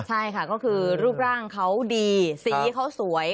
ใช่ค่ะก็คือรูปร่างเขาดีสีเขาสวย